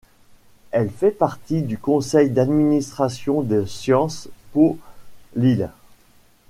Elle fait partie du conseil d'administration de Sciences Po Lille.